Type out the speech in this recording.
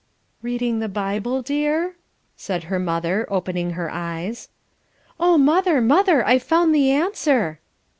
"Reading the Bible, dear?" said her mother, opening her eyes. "Oh, mother, mother, I've found the answer."